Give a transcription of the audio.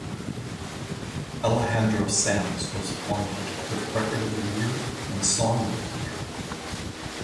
Alejandro Sanz was honored with Record of the Year and Song of the Year.